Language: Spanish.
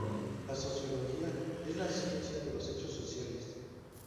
La sociología es la ciencia de los hechos sociales.